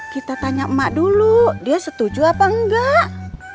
kita tanya emak dulu dia setuju apa enggak